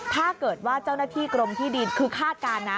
ถ้าเกิดว่าเจ้าหน้าที่กรมที่ดินคือคาดการณ์นะ